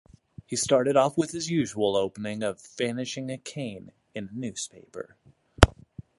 He started off with his usual opening of vanishing a cane in a newspaper.